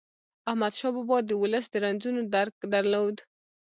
احمدشاه بابا د ولس د رنځونو درک درلود.